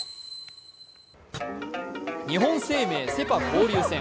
日本生命セ・パ交流戦。